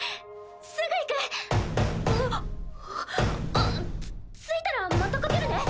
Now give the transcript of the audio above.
あっ着いたらまた掛けるね。